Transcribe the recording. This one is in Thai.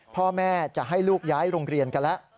พ่อแม่จะให้ลูกย้ายโรงเรียนกันแล้ว